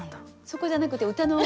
そこじゃなくて歌の。